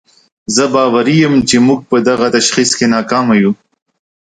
زه باوري یم چې موږ په دغه تشخیص کې ناکامه یو.